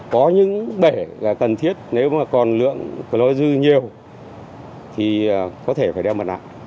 có những bể là cần thiết nếu mà còn lượng cloud dư nhiều thì có thể phải đeo mặt nạ